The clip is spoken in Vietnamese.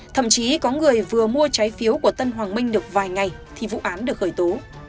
thậm chí có người vừa mua trái phiếu của tân hoàng minh được vài ngày thì vụ án được khởi tố